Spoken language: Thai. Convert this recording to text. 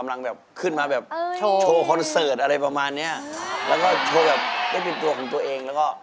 แล้วก็เนี่ยช่วยแบบเป็นตัวของตัวเอง